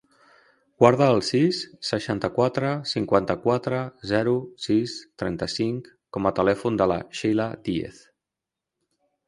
Guarda el sis, seixanta-quatre, cinquanta-quatre, zero, sis, trenta-cinc com a telèfon de la Sheila Diez.